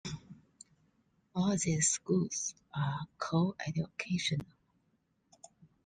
All these schools are co-educational.